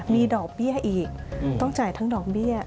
มีดอกเบี้ยอีกต้องจ่ายทั้งดอกเบี้ย